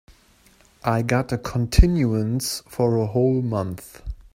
I got a continuance for a whole month.